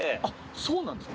そうなんですか。